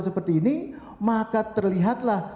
seperti ini maka terlihatlah